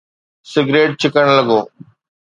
Cigarette ڇڪڻ لڳو.